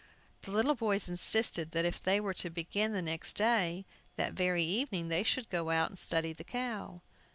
The little boys insisted that they were to begin the next day; that very evening they should go out and study the cow.